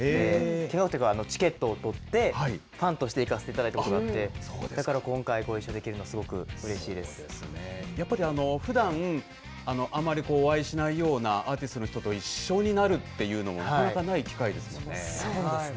見学っていうか、チケットを取って、ファンとして行かせていただいたことがあって、だから今回、ご一緒できるの、すごくうれしいやっぱりふだん、あまりお会いしないようなアーティストの人と一緒になるっていうそうですね。